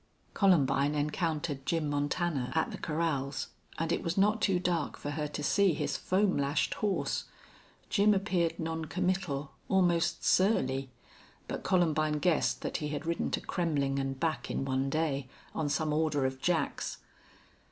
Columbine encountered Jim Montana at the corrals, and it was not too dark for her to see his foam lashed horse. Jim appeared non committal, almost surly. But Columbine guessed that he had ridden to Kremmling and back in one day, on some order of Jack's.